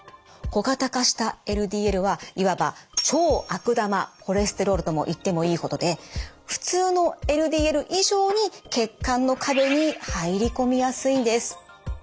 小型化したＬＤＬはいわば超悪玉コレステロールとも言ってもいいほどで普通のＬＤＬ以上に血管の壁に入り込みやすいんです。